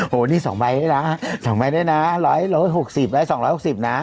โหนี่๒ไม้ได้นะ๒ไม้ได้นะร้อยร้อย๖๐ร้อย๒๖๐นะ